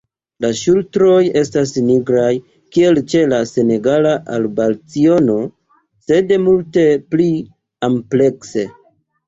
La ŝultroj estas nigraj, kiel ĉe la Senegala arbalciono, sed multe pli amplekse.